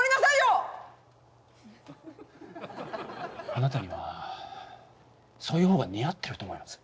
あなたにはそういうほうが似合ってると思います。